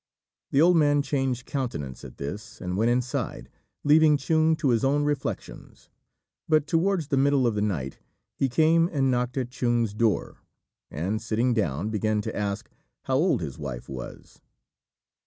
The old man changed countenance at this, and went inside, leaving Chung to his own reflections; but towards the middle of the night he came and knocked at Chung's door, and, sitting down, began to ask how old his wife was.